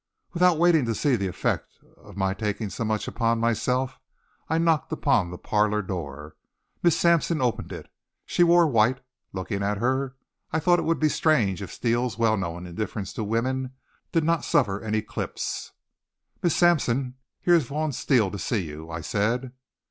Without waiting to see the effect of my taking so much upon myself, I knocked upon the parlor door. Miss Sampson opened it. She wore white. Looking at her, I thought it would be strange if Steele's well known indifference to women did not suffer an eclipse. "Miss Sampson, here is Vaughn Steele to see you," I said.